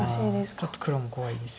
ちょっと黒も怖いです。